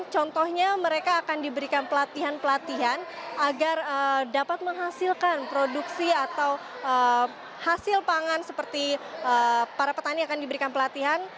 contohnya mereka akan diberikan pelatihan pelatihan agar dapat menghasilkan produksi atau hasil pangan seperti para petani akan diberikan pelatihan